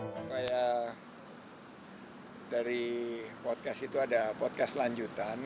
supaya dari podcast itu ada podcast lanjutan